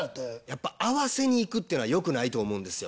やっぱ合わせにいくっていうのはよくないと思うんですよ。